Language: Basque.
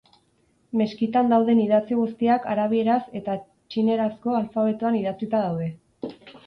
Meskitan dauden idatzi guztiak arabieraz eta txinerazko alfabetoan idatzita daude.